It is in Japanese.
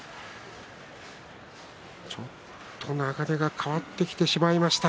ちょっと流れが変わってきてしまいました。